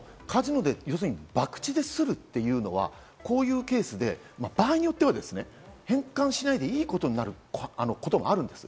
カジノで博打でするというのはこういうケースで場合によっては返還しないでいいことになることもあるんです。